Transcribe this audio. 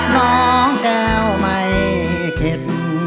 น้องแก้วไม่เข็ด